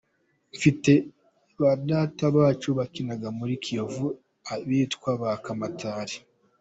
Mfite badata bacu bakinaga muri Kiyovu abitwa ba Kamatari.